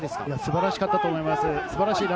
素晴らしかったと思います。